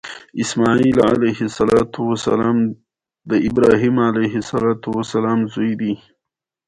چې هديره باندې تيرېږې زما مزار ته مخ راواړوه مينه